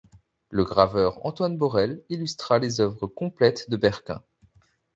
Le graveur Antoine Borel illustra les œuvres complètes de Berquin.